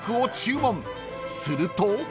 ［すると］